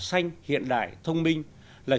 xanh hiện đại thông minh là